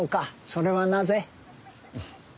それはなぜ？